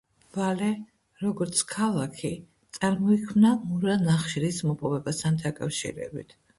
ვალე, როგორც ქალაქი, წარმოიქმნა მურა ნახშირის მოპოვებასთან დაკავშირებით.